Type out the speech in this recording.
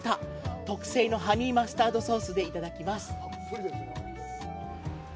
特製のハニ―マスタードソースでいただきます。